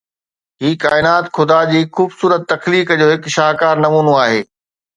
هي ڪائنات خدا جي خوبصورت تخليق جو هڪ شاهڪار نمونو آهي.